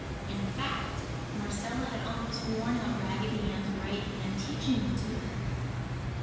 In fact, Marcella had almost worn out Raggedy Ann's right hand teaching it to her.